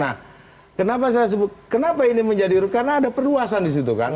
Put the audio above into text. nah kenapa saya sebut kenapa ini menjadi karena ada perluasan di situ kan